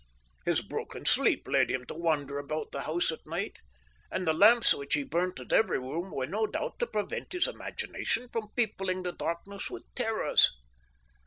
His broken sleep led him to wander about the house at night, and the lamps which he burnt in every room were no doubt to prevent his imagination from peopling the darkness with terrors.